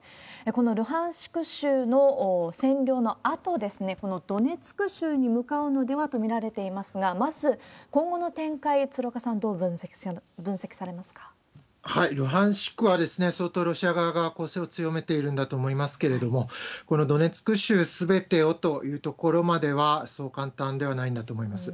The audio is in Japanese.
このルハンシク州の占領のあとですね、このドネツク州に向かうのではと見られていますが、まず今後の展開、鶴岡さん、ルハンシクは、相当ロシア側が攻勢を強めているんだと思いますけれども、このドネツク州すべてをというところまでは、そう簡単ではないんだと思います。